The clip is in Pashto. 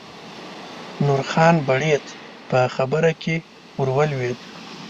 نورخان بړیڅ په خبره کې ور ولوېد.